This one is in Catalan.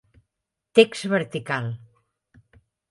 Text vertical: